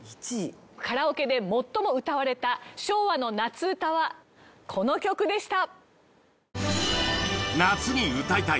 カラオケで最も歌われた昭和の夏うたはこの曲でした。